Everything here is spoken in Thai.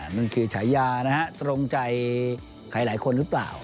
มันคือฉายานะฮะตรงใจใครหลายคนหรือเปล่า